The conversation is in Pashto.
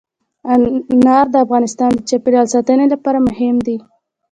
انار د افغانستان د چاپیریال ساتنې لپاره مهم دي.